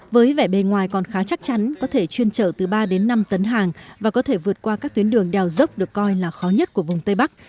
với vẻ bề ngoài còn khá chắc chắn có thể chuyên trở từ ba đến năm tấn hàng và có thể vượt qua các tuyến đường đèo dốc được coi là khó nhất của vùng tây bắc